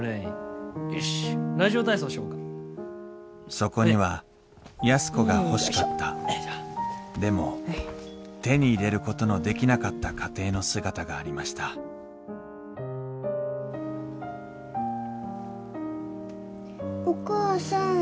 そこには安子が欲しかったでも手に入れることのできなかった家庭の姿がありましたお母さん。